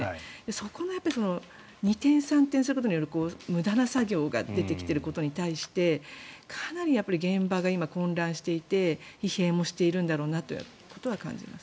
そこの二転三転することによる無駄な作業が出てきていることに対してかなり現場が今、混乱していて疲弊もしているんだろうなというのは感じています。